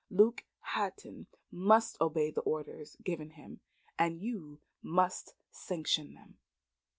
Luke Hatton must obey the orders given him. And you must sanction them."